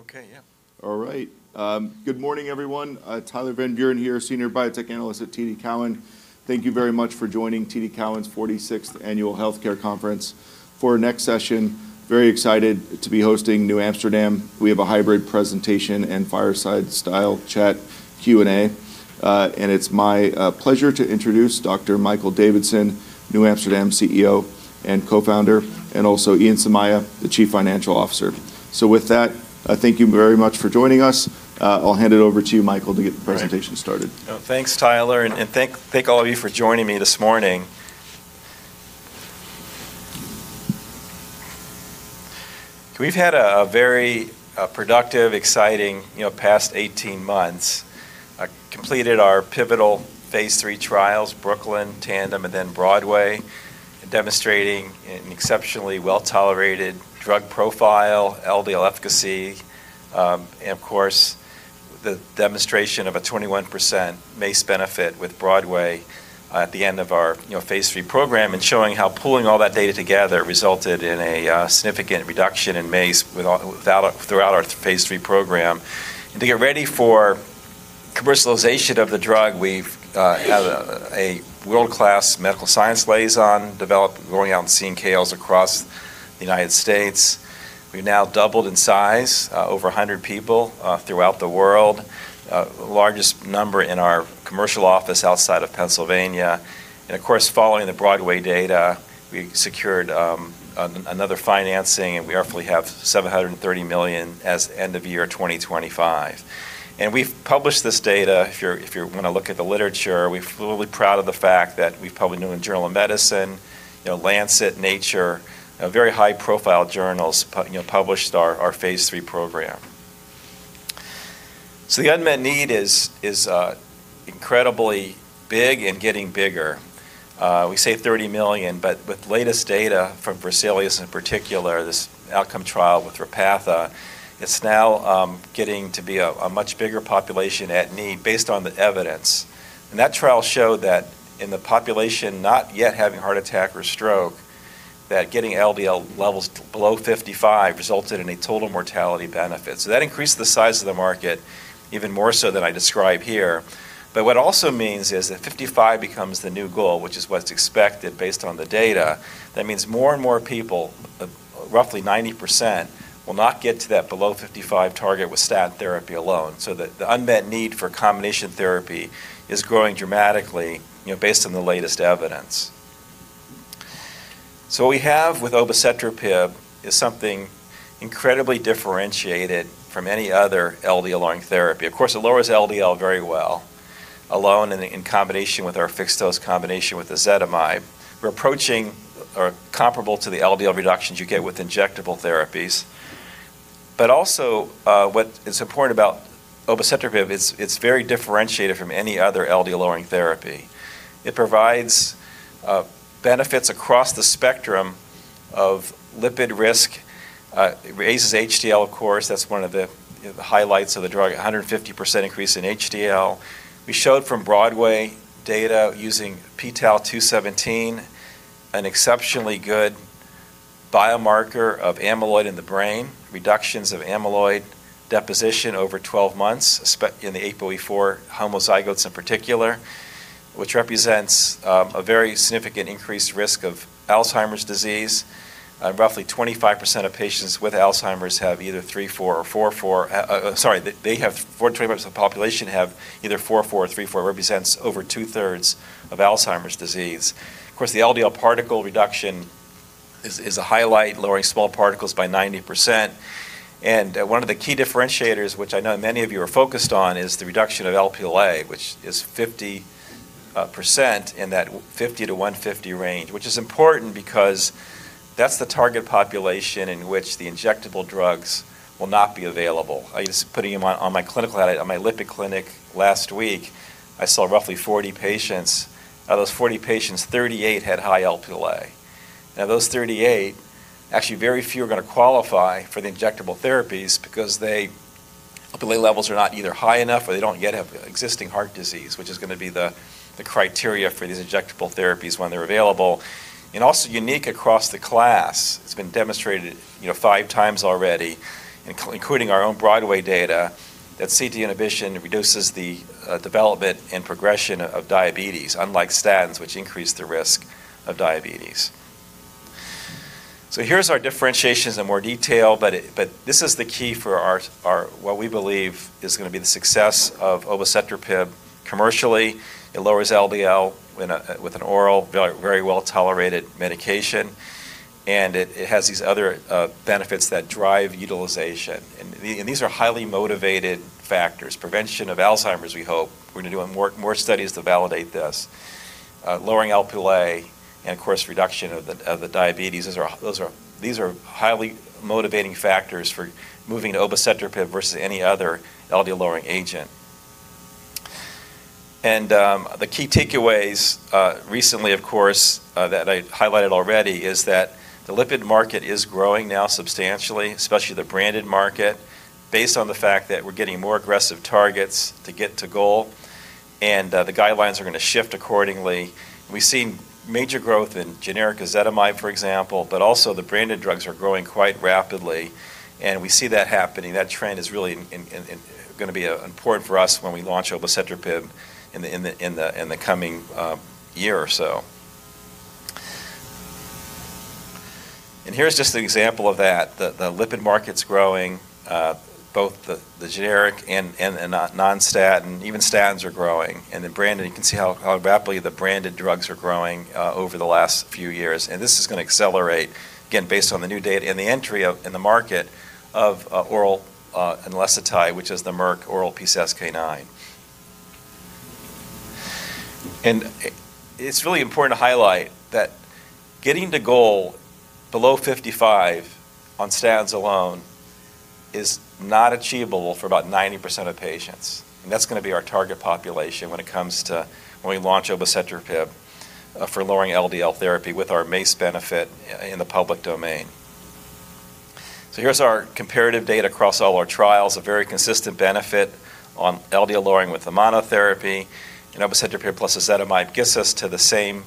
Okay. Yeah. All right. Good morning, everyone. Tyler Van Buren here, Senior Biotech Analyst at TD Cowen. Thank you very much for joining TD Cowen's 46th Annual Healthcare Conference. For our next session, very excited to be hosting NewAmsterdam Pharma. We have a hybrid presentation and fireside-style chat Q&A. It's my pleasure to introduce Dr. Michael Davidson, NewAmsterdam Pharma CEO and Co-founder, and also Ian Somaiya, the Chief Financial Officer. With that, thank you very much for joining us. I'll hand it over to you, Michael, to get the presentation started. Thanks, Tyler, and thank all of you for joining me this morning. We've had a very productive, exciting, you know, past 18 months. Completed our pivotal Phase III trials, BROOKLYN, TANDEM, and then BROADWAY, demonstrating an exceptionally well-tolerated drug profile, LDL efficacy, and of course, the demonstration of a 21% MACE benefit with BROADWAY at the end of our, you know, Phase III program and showing how pooling all that data together resulted in a significant reduction in MACE throughout our Phase III program. To get ready for commercialization of the drug, we've a world-class Medical Science Liaison developed, going out and seeing KOLs across the United States. We've now doubled in size, over 100 people throughout the world, largest number in our commercial office outside of Pennsylvania. Of course, following the BROADWAY data, we secured another financing, we hopefully have $730 million as end of year 2025. We've published this data, if you're gonna look at the literature, we're fully proud of the fact that we've published The New England Journal of Medicine, you know, The Lancet, Nature, very high-profile journals, you know, published our Phase III program. The unmet need is incredibly big and getting bigger. We say 30 million, with latest data from VESALIU.S.-CV in particular, this outcome trial with Repatha, it's now getting to be a much bigger population at need based on the evidence. That trial showed that in the population not yet having heart attack or stroke, that getting LDL levels below 55 resulted in a total mortality benefit. That increased the size of the market even more so than I describe here. What it also means is that 55 becomes the new goal, which is what's expected based on the data. That means more and more people, roughly 90%, will not get to that below 55 target with statin therapy alone, so the unmet need for combination therapy is growing dramatically, you know, based on the latest evidence. What we have with obicetrapib is something incredibly differentiated from any other LDL-lowering therapy. Of course, it lowers LDL very well, alone and in combination with our fixed-dose combination with ezetimibe. We're approaching or comparable to the LDL reductions you get with injectable therapies. Also, what is important about obicetrapib is it's very differentiated from any other LDL-lowering therapy. It provides benefits across the spectrum of lipid risk. It raises HDL, of course. That's one of the, you know, the highlights of the drug, a 150% increase in HDL. We showed from BROADWAY data using p-tau217, an exceptionally good biomarker of amyloid in the brain, reductions of amyloid deposition over 12 months in the APOE4 homozygotes in particular, which represents a very significant increased risk of Alzheimer's disease. Roughly 25% of patients with Alzheimer's have either 3, 4 or 4. Sorry. 45% of the population have either 4 or 3, 4, represents over two-thirds of Alzheimer's disease. The LDL particle reduction is a highlight, lowering small particles by 90%. One of the key differentiators, which I know many of you are focused on, is the reduction of Lp(a), which is 50% in that 50 to 150 range, which is important because that's the target population in which the injectable drugs will not be available. I just... on my lipid clinic last week, I saw roughly 40 patients. Out of those 40 patients, 38 had high Lp(a). Now, those 38, actually very few are gonna qualify for the injectable therapies because they, Lp(a) levels are not either high enough or they don't yet have existing heart disease, which is gonna be the criteria for these injectable therapies when they're available. Also, unique across the class, it's been demonstrated, you know, five times already, including our own BROADWAY data, that CETP inhibition reduces the development and progression of diabetes, unlike statins, which increase the risk of diabetes. Here's our differentiations in more detail, but this is the key for our, what we believe is gonna be the success of obicetrapib commercially. It lowers LDL in a, with an oral very well-tolerated medication, and it has these other benefits that drive utilization. These are highly motivated factors. Prevention of Alzheimer's, we hope. We're gonna do more studies to validate this. Lowering Lp(a) and, of course, reduction of the diabetes, these are highly motivating factors for moving to obicetrapib versus any other LDL-lowering agent. The key takeaways, recently, of course, that I highlighted already is that the lipid market is growing now substantially, especially the branded market, based on the fact that we're getting more aggressive targets to get to goal, and the guidelines are gonna shift accordingly. We've seen major growth in generic ezetimibe, for example, but also the branded drugs are growing quite rapidly, and we see that happening. That trend is really in gonna be important for us when we launch obicetrapib in the coming year or so. Here's just an example of that, the lipid market's growing, both the generic and non-statin, even statins are growing. Then branded, you can see how rapidly the branded drugs are growing over the last few years. This is going to accelerate, again, based on the new data and the entry in the market of oral Enlicitide, which is the Merck oral PCSK9. It's really important to highlight that getting the goal below 55 on statins alone is not achievable for about 90% of patients. That's going to be our target population when it comes to when we launch obicetrapib for lowering LDL therapy with our MACE benefit in the public domain. Here's our comparative data across all our trials, a very consistent benefit on LDL lowering with the monotherapy. Obicetrapib plus ezetimibe gets us to the same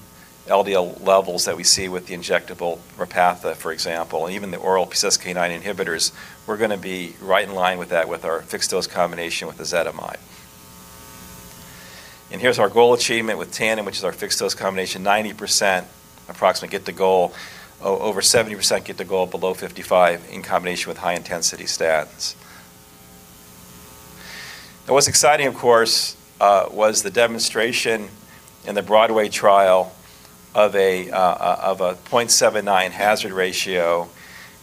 LDL levels that we see with the injectable Repatha, for example, and even the oral PCSK9 inhibitors. We're going to be right in line with that with our fixed-dose combination with ezetimibe. Here's our goal achievement with TANDEM, which is our fixed-dose combination, 90% approximately get the goal, over 70% get the goal below 55 in combination with high-intensity statins. What's exciting, of course, was the demonstration in the BROADWAY trial of a 0.79 hazard ratio.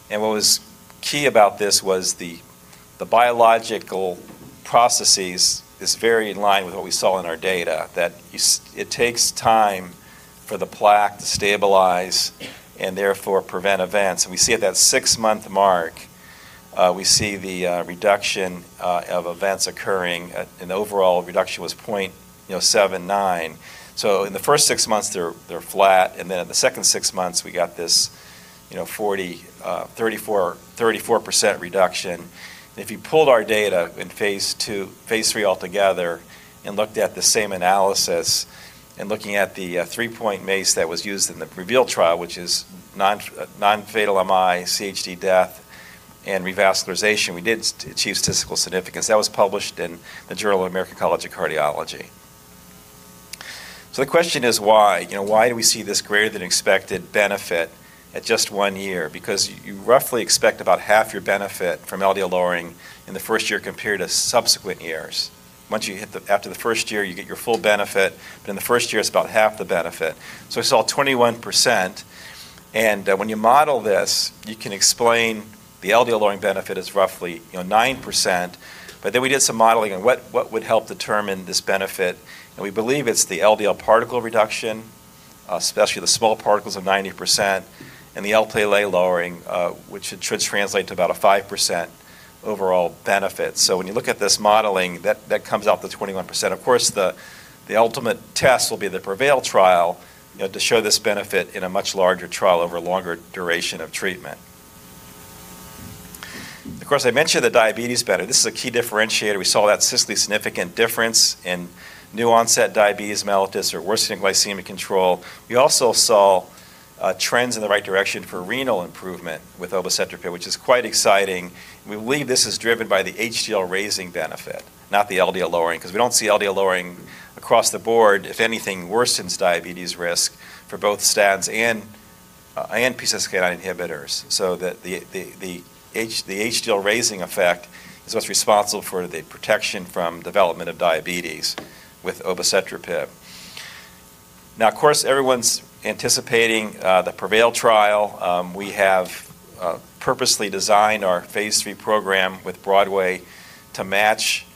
What was key about this was the biological processes is very in line with what we saw in our data, that it takes time for the plaque to stabilize and therefore prevent events. We see at that six-month mark, we see the reduction of events occurring, and the overall reduction was 0.79. In the first six months, they're flat. Then in the second six months, we got this 40%, 34% reduction. If you pulled our data in Phase II, Phase III altogether and looked at the same analysis and looking at the 3-point MACE that was used in the REVEAL trial, which is non-fatal MI, CHD death, and revascularization, we did achieve statistical significance. That was published in the Journal of American College of Cardiology. The question is why? Why do we see this greater than expected benefit at just one year? You roughly expect about half your benefit from LDL lowering in the first year compared to subsequent years. Once you hit after the first year, you get your full benefit. In the first year, it's about half the benefit. We saw 21%. When you model this, you can explain the LDL lowering benefit is roughly 9%. Then we did some modeling on what would help determine this benefit. We believe it's the LDL particle reduction, especially the small particles of 90%, and the Lp(a) lowering, which should translate to about a 5% overall benefit. When you look at this modeling, that comes out to 21%. Of course, the ultimate test will be the PREVAIL trial to show this benefit in a much larger trial over a longer duration of treatment. Of course, I mentioned the diabetes benefit. This is a key differentiator. We saw that statistically significant difference in new onset diabetes mellitus or worsening glycemic control. We also saw trends in the right direction for renal improvement with obicetrapib, which is quite exciting. We believe this is driven by the HDL raising benefit, not the LDL lowering, because we don't see LDL lowering across the board, if anything, worsens diabetes risk for both statins and PCSK9 inhibitors. The HDL raising effect is what's responsible for the protection from development of diabetes with obicetrapib. Of course, everyone's anticipating the PREVAIL trial. We have purposely designed our Phase III program with BROADWAY to match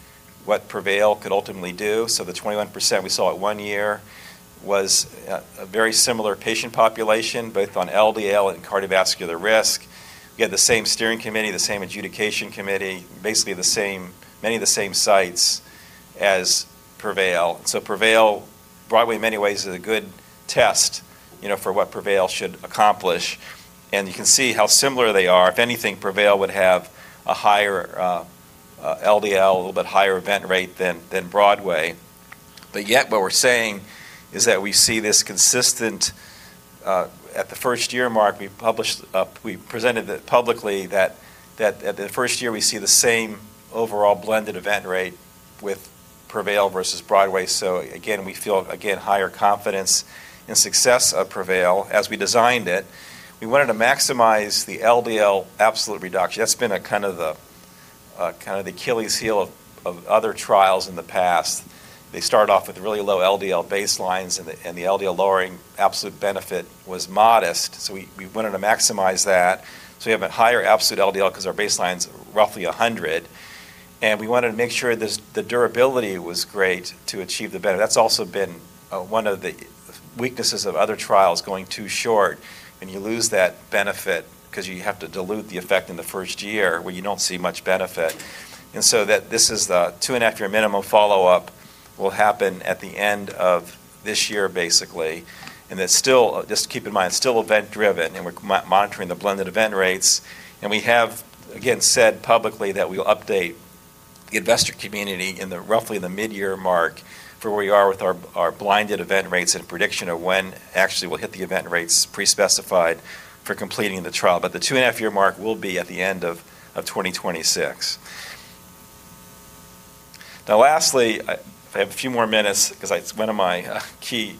what PREVAIL could ultimately do. The 21% we saw at one year was a very similar patient population, both on LDL and cardiovascular risk. We had the same steering committee, the same adjudication committee, basically many of the same sites as PREVAIL. BROADWAY in many ways is a good test for what PREVAIL should accomplish. You can see how similar they are. If anything, PREVAIL would have a higher LDL, a little bit higher event rate than BROADWAY. Yet what we're saying is that we see this consistent at the first year mark. We presented publicly that at the first year, we see the same overall blended event rate with PREVAIL versus BROADWAY. We feel, again, higher confidence in success of PREVAIL as we designed it. We wanted to maximize the LDL absolute reduction. That's been kind of the Achilles heel of other trials in the past. They start off with really low LDL baselines and the LDL lowering absolute benefit was modest. We wanted to maximize that. We have a higher absolute LDL because our baseline is roughly 100. We wanted to make sure the durability was great to achieve the benefit. That's also been one of the weaknesses of other trials going too short. You lose that benefit because you have to dilute the effect in the first year where you don't see much benefit. This is the two and a half year minimum follow-up will happen at the end of this year, basically. It's still, just keep in mind, it's still event-driven and we're monitoring the blended event rates. We have, again, said publicly that we will update the investor community in roughly the mid-year mark for where we are with our blinded event rates and prediction of when actually we'll hit the event rates pre-specified for completing the trial. The two and a half year mark will be at the end of 2026. Lastly, I have a few more minutes 'cause it's one of my key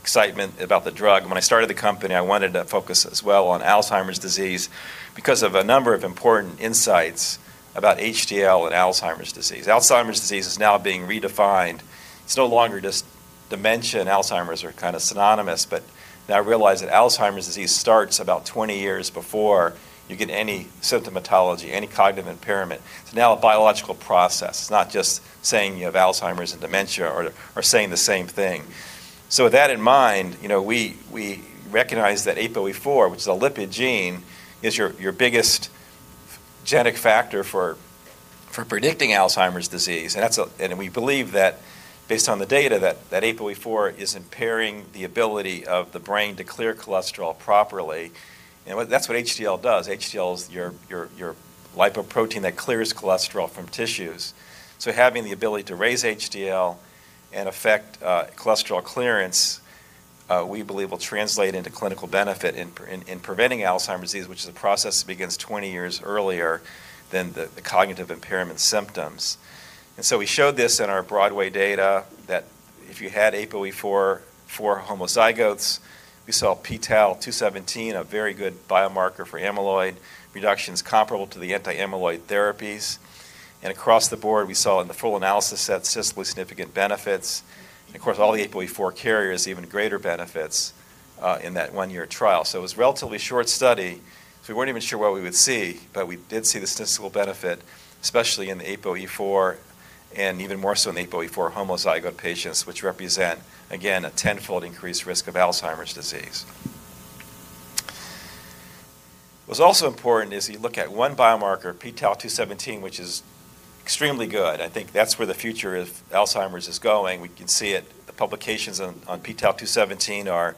excitement about the drug. When I started the company, I wanted to focus as well on Alzheimer's disease because of a number of important insights about HDL and Alzheimer's disease. Alzheimer's disease is now being redefined. It's no longer just dementia and Alzheimer's are kinda synonymous, but now realize that Alzheimer's disease starts about 20 years before you get any symptomatology, any cognitive impairment. It's now a biological process, not just saying you have Alzheimer's and dementia or saying the same thing. With that in mind, you know, we recognize that APOE4, which is a lipid gene, is your biggest genetic factor for predicting Alzheimer's disease. And we believe that based on the data that APOE4 is impairing the ability of the brain to clear cholesterol properly. That's what HDL does. HDL is your lipoprotein that clears cholesterol from tissues. Having the ability to raise HDL and affect cholesterol clearance, we believe will translate into clinical benefit in preventing Alzheimer's disease, which is a process that begins 20 years earlier than the cognitive impairment symptoms. We showed this in our BROADWAY data that if you had APOE4 for homozygotes, we saw p-tau217, a very good biomarker for amyloid, reductions comparable to the anti-amyloid therapies. Across the board, we saw in the full analysis set statistically significant benefits. Of course, all the APOE4 carriers, even greater benefits, in that 1-year trial. It was a relatively short study, so we weren't even sure what we would see, but we did see the statistical benefit, especially in the APOE4 and even more so in APOE4 homozygote patients, which represent, again, a 10-fold increased risk of Alzheimer's disease. What's also important is you look at one biomarker, p-tau217, which is extremely good. I think that's where the future of Alzheimer's is going. We can see it. The publications on p-tau217 are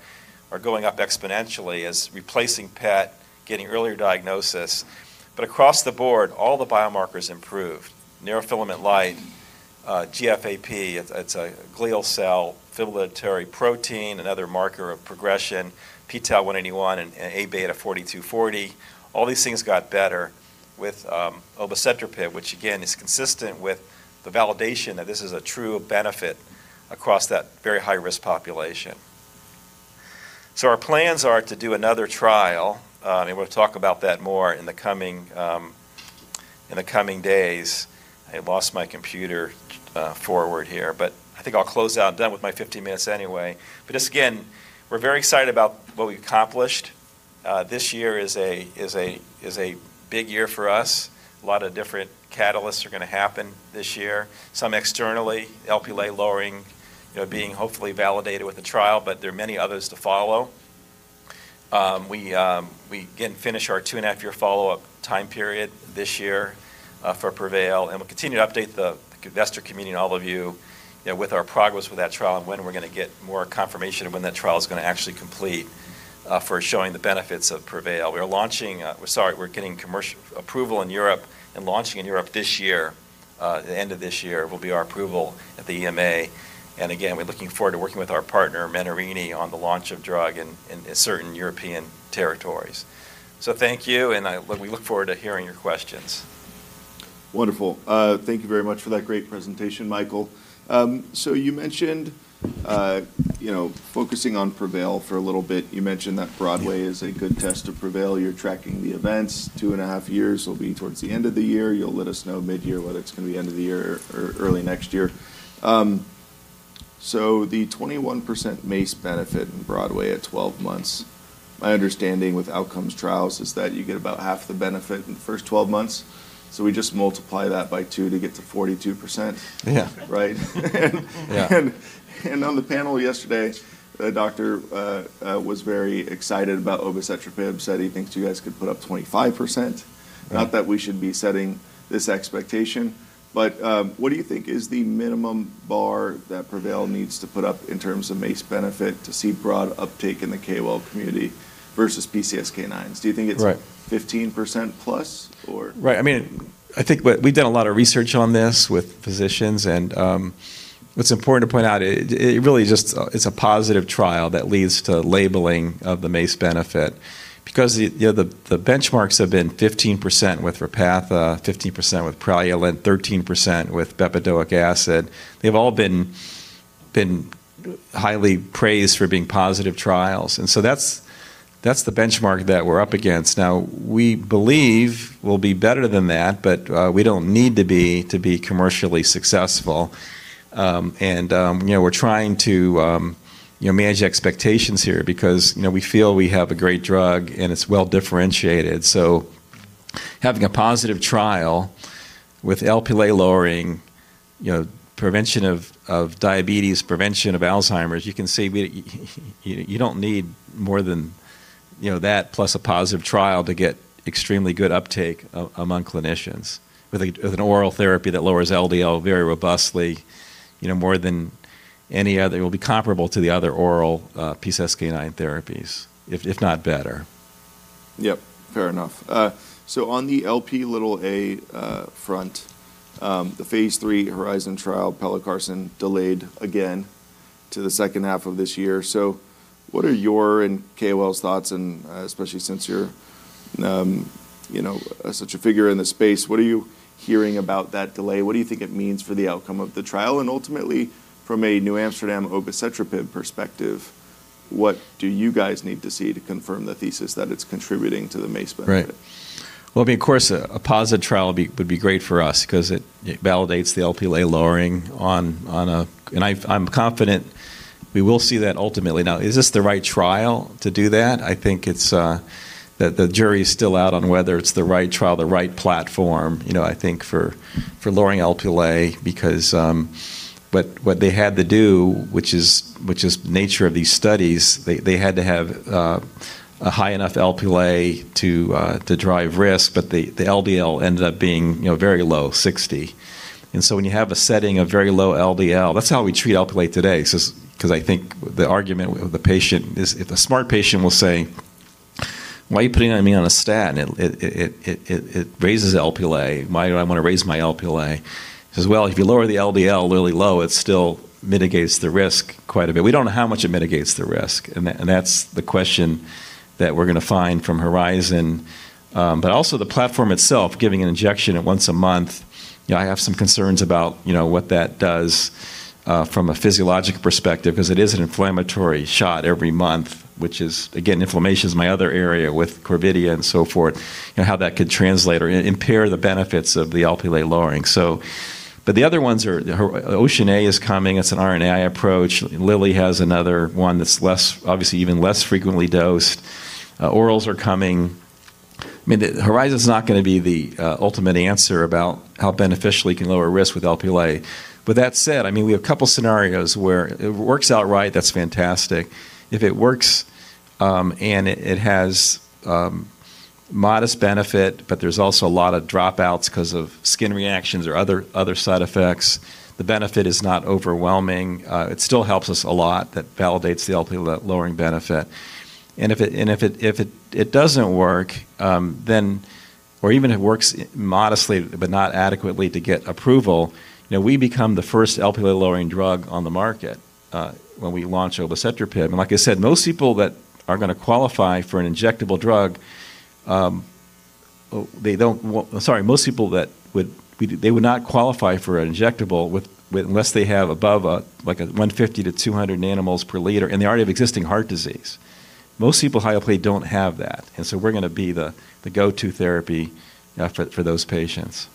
going up exponentially as replacing PET, getting earlier diagnosis. Across the board, all the biomarkers improved. Neurofilament light, GFAP, it's a glial cell, fibrotic protein, another marker of progression, p-tau181 and Aβ42/40. All these things got better with obicetrapib, which again is consistent with the validation that this is a true benefit across that very high-risk population. Our plans are to do another trial, and we'll talk about that more in the coming days. I lost my computer, forward here, but I think I'll close out. Done with my 15 minutes anyway. Just again, we're very excited about what we've accomplished. This year is a big year for us. A lot of different catalysts are gonna happen this year. Some externally, Lp(a) lowering, you know, being hopefully validated with the trial, there are many others to follow. We again finish our 2.5-year follow-up time period this year for PREVAIL, we'll continue to update the investor community and all of you know, with our progress with that trial and when we're gonna get more confirmation of when that trial is gonna actually complete for showing the benefits of PREVAIL. We are launching, Sorry, we're getting commercial approval in Europe and launching in Europe this year. The end of this year will be our approval at the EMA. Again, we're looking forward to working with our partner, Menarini, on the launch of drug in certain European territories. Thank you, and we look forward to hearing your questions. Wonderful. Thank you very much for that great presentation, Michael. You mentioned focusing on PREVAIL for a little bit. You mentioned that BROADWAY is a good test of PREVAIL. You're tracking the events. Two and a half years will be towards the end of the year. You'll let us know midyear whether it's gonna be end of the year or early next year. The 21% MACE benefit in BROADWAY at 12 months. My understanding with outcomes trials is that you get about half the benefit in the first 12 months. We just multiply that by 2 to get to 42%. Yeah. Right? Yeah. On the panel yesterday, a doctor was very excited about obicetrapib. He thinks you guys could put up 25%. Right. Not that we should be setting this expectation, but, what do you think is the minimum bar that PREVAIL needs to put up in terms of MACE benefit to see broad uptake in the KOL community versus PCSK9s? Do you think Right 15%+ or? Right. I mean, I think We've done a lot of research on this with physicians and, what's important to point out, it really just, it's a positive trial that leads to labeling of the MACE benefit because, you know, the benchmarks have been 15% with Repatha, 15% with Praluent, 13% with bempedoic acid. They've all been highly praised for being positive trials. That's the benchmark that we're up against. Now, we believe we'll be better than that, but we don't need to be to be commercially successful. You know, we're trying to, you know, manage expectations here because, you know, we feel we have a great drug and it's well-differentiated. Having a positive trial with Lp(a) lowering, you know, prevention of diabetes, prevention of Alzheimer's, you can see you don't need more than, you know, that plus a positive trial to get extremely good uptake among clinicians with a, with an oral therapy that lowers LDL very robustly, you know, more than any other. It will be comparable to the other oral PCSK9 therapies, if not better. Yep. Fair enough. on the Lp(a) front, the Phase III Lp(a)HORIZON trial pelacarsen delayed again to the second half of this year. What are your and KOLs thoughts and, especially since you're, you know, as such a figure in the space, what are you hearing about that delay? What do you think it means for the outcome of the trial? Ultimately, from a NewAmsterdam Pharma obicetrapib perspective, what do you guys need to see to confirm the thesis that it's contributing to the MACE benefit? Right. Well, I mean, of course, a positive trial would be great for us 'cause it validates the Lp(a) lowering on a... I'm confident we will see that ultimately. Is this the right trial to do that? I think it's that the jury is still out on whether it's the right trial, the right platform, you know, I think for lowering Lp(a) because what they had to do, which is the nature of these studies, they had to have a high enough Lp(a) to drive risk, but the LDL ended up being, you know, very low, 60. When you have a setting of very low LDL, that's how we treat Lp(a) today. 'Cause I think the argument with the patient is if a smart patient will say, "Why are you putting me on a statin? It raises Lp(a). Why do I wanna raise my Lp(a)?" Says, "Well, if you lower the LDL really low, it still mitigates the risk quite a bit." We don't know how much it mitigates the risk, and that's the question that we're gonna find from Lp(a)HORIZON. Also the platform itself, giving an injection at once a month, you know, I have some concerns about, you know, what that does from a physiological perspective, 'cause it is an inflammatory shot every month, which is... Again, inflammation is my other area with Corvidia and so forth, you know, how that could translate or impair the benefits of the Lp(a) lowering. The other ones are OceanA is coming. It's an RNAi approach. Lilly has another one that's less, obviously even less frequently dosed. Orals are coming. I mean, the Lp(a)HORIZON's not gonna be the ultimate answer about how beneficially you can lower risk with Lp(a). That said, I mean, we have a couple scenarios where if it works out right, that's fantastic. If it works, and it has modest benefit, but there's also a lot of dropouts 'cause of skin reactions or other side effects, the benefit is not overwhelming. It still helps us a lot. That validates the Lp(a) lowering benefit. If it doesn't work, or even it works modestly but not adequately to get approval, you know, we become the first Lp(a)-lowering drug on the market when we launch obicetrapib. Like I said, most people that are gonna qualify for an injectable drug, Sorry, most people that would not qualify for an injectable unless they have above 150 to 200 nanomoles per liter and they already have existing heart disease. Most people with high Lp(a) don't have that. We're gonna be the go-to therapy for those patients.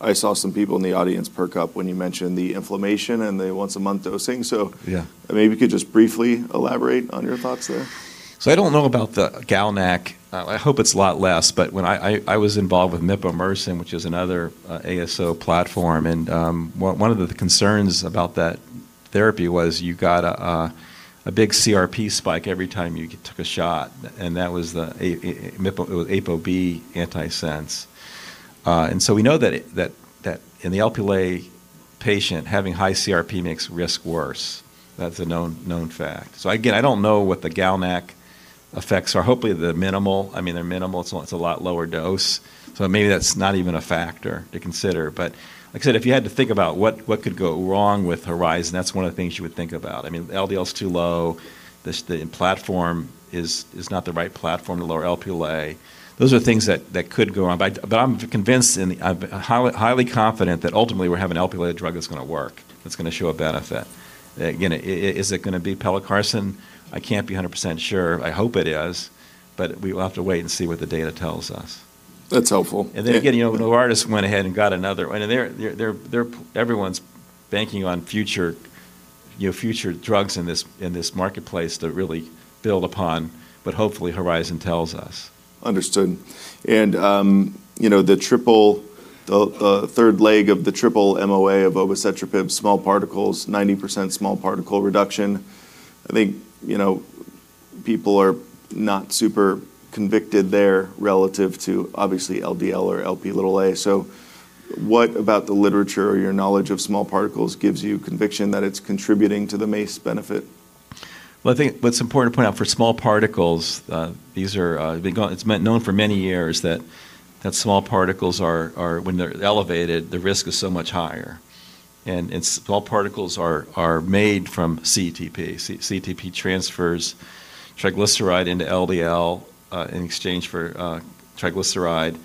I saw some people in the audience perk up when you mentioned the inflammation and the once-a-month dosing. Yeah. Maybe you could just briefly elaborate on your thoughts there. I don't know about the GalNAc. I hope it's a lot less, but when I was involved with Mipomersen, which is another ASO platform, and one of the concerns about that therapy was you got a big CRP spike every time you took a shot, and that was the mipo- It was ApoB antisense. We know that in the Lp(a) patient, having high CRP makes risk worse. That's a known fact. Again, I don't know what the GalNAc effects are. Hopefully they're minimal. I mean, they're minimal. It's a lot lower dose, so maybe that's not even a factor to consider. Like I said, if you had to think about what could go wrong with Horizon, that's one of the things you would think about. I mean, the LDL's too low. The platform is not the right platform to lower Lp(a). Those are things that could go wrong. I'm convinced and I'm highly confident that ultimately we're having an Lp(a) drug that's gonna work, that's gonna show a benefit. Again, is it gonna be pelacarsen? I can't be 100% sure. I hope it is, but we will have to wait and see what the data tells us. That's helpful. Yeah. Then again, you know, Novartis went ahead and got another. They're everyone's banking on future, you know, future drugs in this, in this marketplace to really build upon, but hopefully HORIZON tells us. Understood. You know, the third leg of the triple MOA of obicetrapib, small particles, 90% small particle reduction, I think, you know, people are not super convicted there relative to obviously LDL or Lp(a). What about the literature or your knowledge of small particles gives you conviction that it's contributing to the MACE benefit? I think what's important to point out for small particles, these are known for many years that small particles are when they're elevated, the risk is so much higher. Small particles are made from CETP. CETP transfers triglyceride into LDL, in exchange for triglyceride.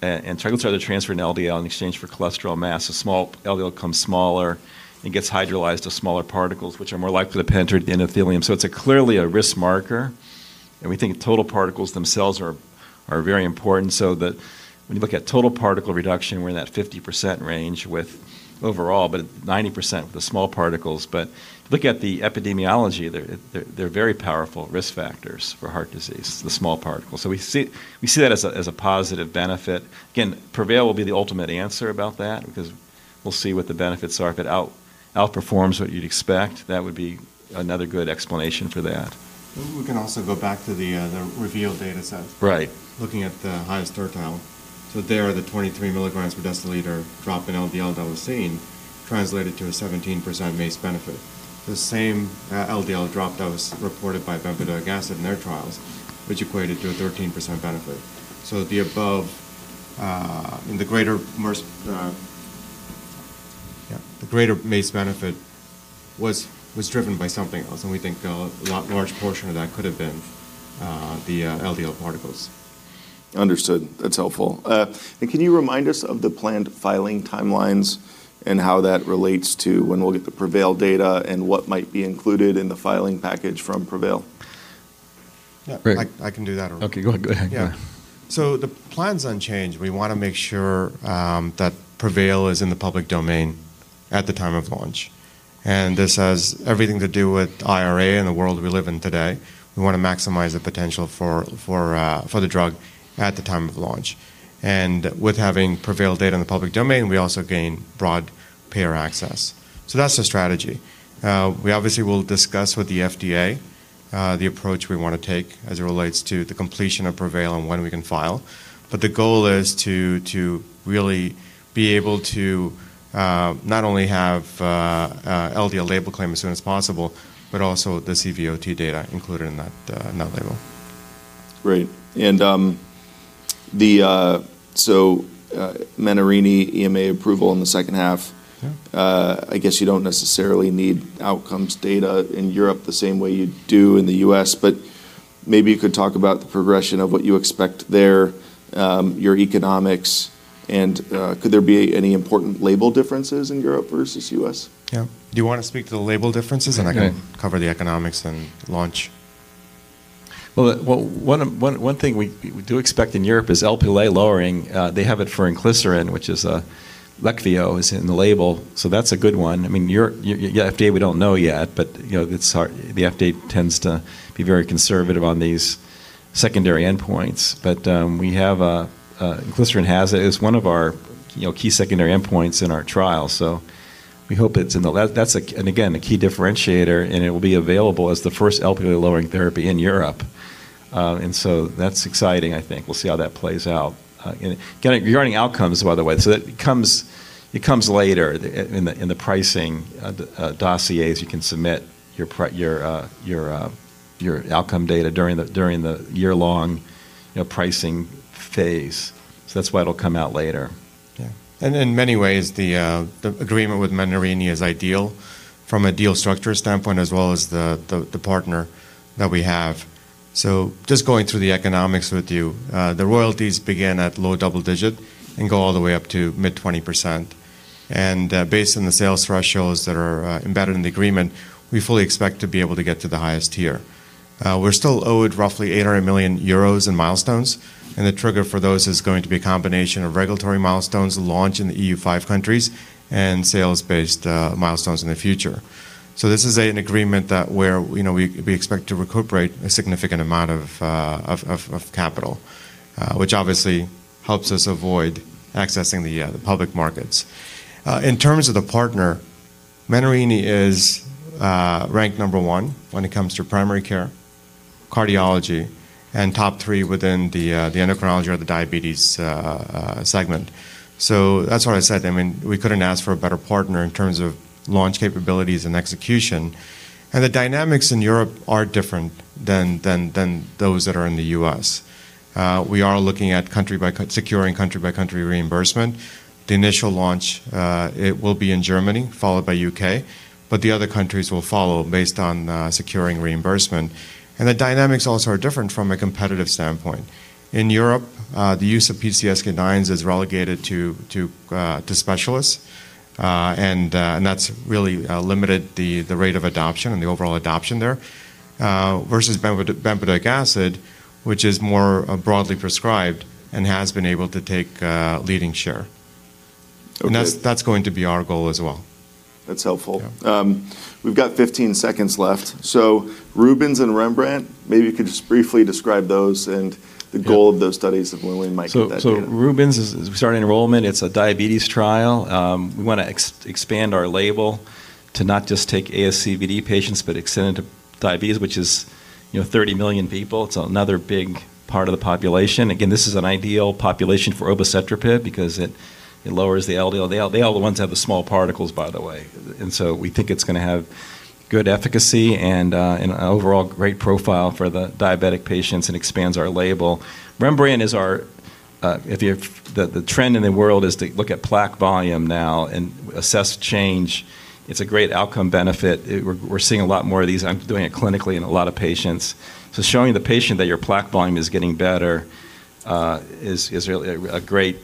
Triglyceride are transferred in LDL in exchange for cholesterol mass. The small LDL becomes smaller and gets hydrolyzed to smaller particles, which are more likely to penetrate the endothelium. It's a clearly a risk marker, and we think total particles themselves are very important so that when you look at total particle reduction, we're in that 50% range with overall, but 90% with the small particles. If you look at the epidemiology, they're very powerful risk factors for heart disease, the small particles. We see that as a, as a positive benefit. PREVAIL will be the ultimate answer about that because we'll see what the benefits are. If it outperforms what you'd expect, that would be another good explanation for that. We can also go back to the REVEAL dataset. Right. Looking at the highest quartile. There, the 23 mg per deciliter drop in LDL that was seen translated to a 17% MACE benefit. The same LDL drop that was reported by bempedoic acid in their trials, which equated to a 13% benefit. The above, in the greater, more. The greater MACE benefit was driven by something else. We think a lot large portion of that could have been the LDL particles. Understood. That's helpful. Can you remind us of the planned filing timelines and how that relates to when we'll get the PREVAIL data and what might be included in the filing package from PREVAIL? Yeah. Great. I can do that, Aaron. Okay, go ahead. Go ahead. The plan's unchanged. We wanna make sure that PREVAIL is in the public domain at the time of launch. This has everything to do with IRA and the world we live in today. We wanna maximize the potential for the drug at the time of launch. With having PREVAIL data in the public domain, we also gain broad payer access. That's the strategy. We obviously will discuss with the FDA the approach we wanna take as it relates to the completion of PREVAIL and when we can file. The goal is to really be able to not only have LDL label claim as soon as possible, but also the CVOT data included in that in that label. Great. The Menarini EMA approval in the second half. Yeah. I guess you don't necessarily need outcomes data in Europe the same way you do in the U.S., but maybe you could talk about the progression of what you expect there, your economics, and could there be any important label differences in Europe versus U.S.? Yeah. Do you wanna speak to the label differences? Okay I can cover the economics and launch? Well, one thing we do expect in Europe is Lp(a) lowering. They have it for inclisiran, which is Leqvio is in the label, so that's a good one. I mean, FDA, we don't know yet, but, you know, it's hard. The FDA tends to be very conservative on these secondary endpoints. Inclisiran has it. It's one of our, you know, key secondary endpoints in our trial, so we hope it's in the label. That's a key differentiator, and it will be available as the first Lp(a)-lowering therapy in Europe. That's exciting, I think. We'll see how that plays out. Regarding outcomes, by the way, so it comes later in the pricing dossiers. You can submit your outcome data during the, during the year-long, you know, pricing phase. That's why it'll come out later. Yeah. In many ways, the agreement with Menarini is ideal from a deal structure standpoint as well as the partner that we have. Just going through the economics with you, the royalties begin at low double digit and go all the way up to mid-20%. Based on the sales thresholds that are embedded in the agreement, we fully expect to be able to get to the highest tier. We're still owed roughly 800 million euros in milestones. The trigger for those is going to be a combination of regulatory milestones, launch in the EU5 countries, and sales-based milestones in the future. This is an agreement that where, you know, we expect to recuperate a significant amount of capital, which obviously helps us avoid accessing the public markets. In terms of the partner, Menarini is ranked number one when it comes to primary care cardiology and top three within the endocrinology or the diabetes segment. That's why I said, I mean, we couldn't ask for a better partner in terms of launch capabilities and execution. The dynamics in Europe are different than those that are in the U.S. We are looking at country by securing country by country reimbursement. The initial launch, it will be in Germany, followed by U.K., but the other countries will follow based on securing reimbursement. The dynamics also are different from a competitive standpoint. In Europe, the use of PCSK9s is relegated to specialists, and that's really limited the rate of adoption and the overall adoption there, versus bempedoic acid, which is more broadly prescribed and has been able to take leading share. Okay. That's going to be our goal as well. That's helpful. Yeah. We've got 15 seconds left. RUBENS and REMBRANDT, maybe you could just briefly describe those and the goal of those studies and when we might get that data. RUBENS is starting enrollment. It's a diabetes trial. We wanna expand our label to not just take ASCVD patients, but extend it to diabetes, which is, you know, 30 million people. It's another big part of the population. Again, this is an ideal population for obicetrapib because it lowers the LDL. They are the ones that have the small particles, by the way. We think it's gonna have good efficacy and an overall great profile for the diabetic patients and expands our label. REMBRANDT is our. The trend in the world is to look at plaque volume now and assess change. It's a great outcome benefit. We're seeing a lot more of these. I'm doing it clinically in a lot of patients. Showing the patient that your plaque volume is getting better is really a great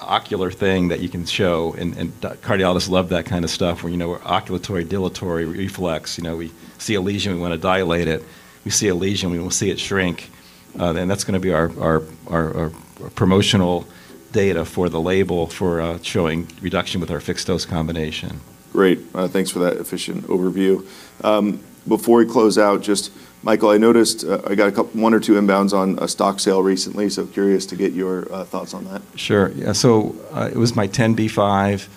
ocular thing that you can show. Cardiologists love that kind of stuff, where, you know, our oculatory dilatory reflex. You know, we see a lesion, we wanna dilate it. We see a lesion, we wanna see it shrink. That's gonna be our promotional data for the label for showing reduction with our fixed-dose combination. Great. Thanks for that efficient overview. Before we close out, just, Michael, I noticed, I got one or two inbounds on a stock sale recently, so curious to get your thoughts on that. Sure. It was my 10b-5,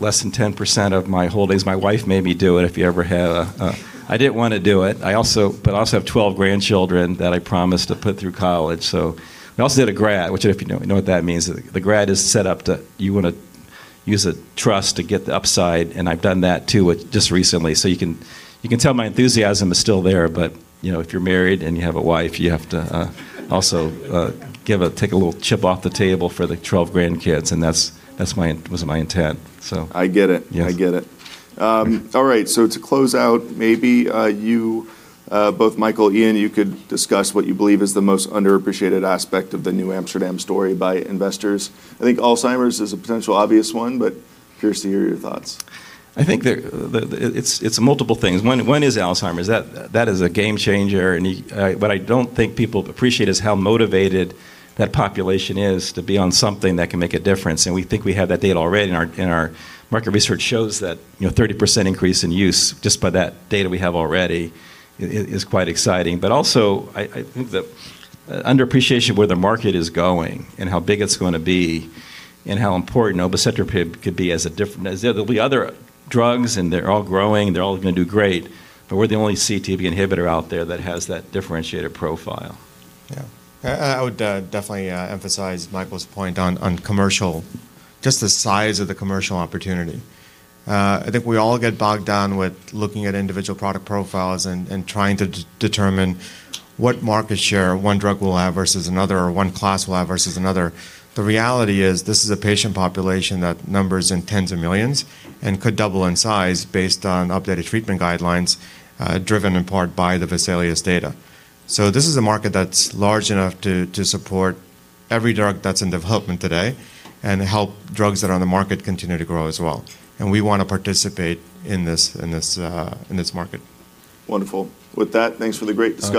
less than 10% of my holdings. My wife made me do it, if you ever have. I didn't wanna do it. I also have 12 grandchildren that I promised to put through college. We also did a grad, which if you know, you know what that means. The grad is set up to, you wanna use a trust to get the upside, and I've done that too with just recently. You can, you can tell my enthusiasm is still there, but, you know, if you're married and you have a wife, you have to also take a little chip off the table for the 12 grandkids, and that's my was my intent. I get it. Yes. I get it. All right, to close out, maybe, you, both Michael, Ian, you could discuss what you believe is the most underappreciated aspect of the NewAmsterdam Pharma story by investors. I think Alzheimer's is a potential obvious one, but curious to hear your thoughts. I think it's multiple things. One is Alzheimer's. That is a game changer, what I don't think people appreciate is how motivated that population is to be on something that can make a difference, and we think we have that data already in our, in our market research shows that, you know, 30% increase in use just by that data we have already is quite exciting. Also, I think the underappreciation of where the market is going and how big it's gonna be and how important obicetrapib could be as a There'll be other drugs, and they're all growing, they're all gonna do great, but we're the only CETP inhibitor out there that has that differentiated profile. Yeah. I would definitely emphasize Michael's point on commercial, just the size of the commercial opportunity. I think we all get bogged down with looking at individual product profiles and trying to determine what market share one drug will have versus another or one class will have versus another. The reality is this is a patient population that numbers in tens of millions and could double in size based on updated treatment guidelines, driven in part by the VESALIU.S. data. This is a market that's large enough to support every drug that's in development today and help drugs that are on the market continue to grow as well, and we wanna participate in this in this market. Wonderful. With that, thanks for the great discussion